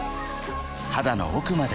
肌の奥まで潤う